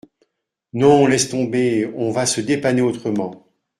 Non, laisse tomber, on va se dépanner autrement.